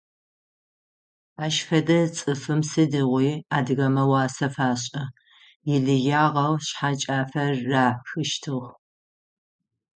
Ащ фэдэ цӀыфым сыдигъуи адыгэмэ уасэ фашӀы, илыягъэу шъхьэкӀафэ рахыщтыгь.